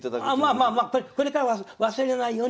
まあまあこれからは忘れないように。